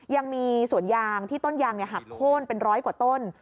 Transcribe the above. ยังมีสวนยางที่ต้นยางหักโค้นเป็นร้อยกว่าต้น